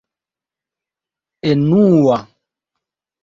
enua